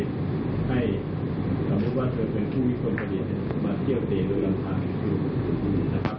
ทำไมว่าเธอเป็นผู้มีควรประเด็นมาเตรียมเตรียมโดยรัมภาค